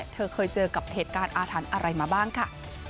เธอเคยเจอกับเหตุการณ์อาถรรพ์อะไรมาบ้างค่ะ